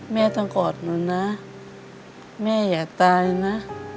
แม่ต้องกอดหนูนะแม่อย่าตายนะ